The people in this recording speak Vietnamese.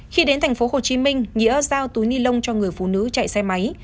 khi đến thành phố hồ chí minh nghĩa giao túi nhi lông cho người phụ nữ chạy xe máy